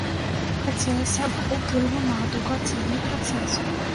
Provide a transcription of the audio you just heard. Хацелася б уплыву на адукацыйны працэс.